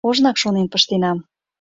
Ожнак шонен пыштенам